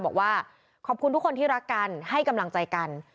บอกว่าขอบคุณทุกคนที่รักกันให้กำลังใจกัน